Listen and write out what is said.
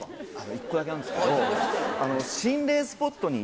１個だけあるんですけど。